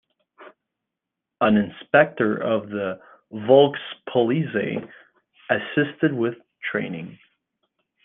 An Inspector of the Volkspolizei assisted with training.